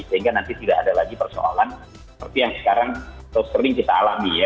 sehingga nanti tidak ada lagi persoalan seperti yang sekarang sering kita alami ya